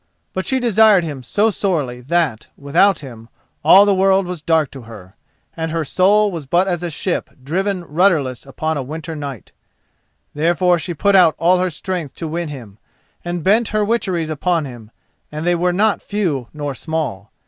But she desired him so sorely that, without him, all the world was dark to her, and her soul but as a ship driven rudderless upon a winter night. Therefore she put out all her strength to win him, and bent her witcheries upon him, and they were not few nor small.